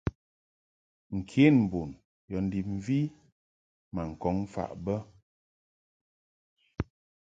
Nkenbun yɔ ndib mvi ma ŋkɔŋ faʼ bə.